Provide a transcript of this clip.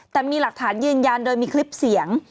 แต่มีหลักฐานยืนยันโดยมีคลิปเสียง